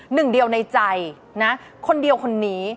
หนึ่งเดียวในใจนะคนเดียวคนนี้